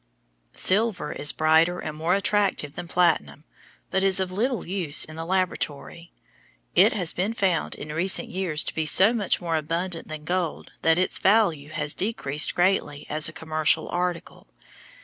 Silver is brighter and more attractive than platinum, but is of little use in the laboratory. It has been found in recent years to be so much more abundant than gold that its value has decreased greatly as a commercial article.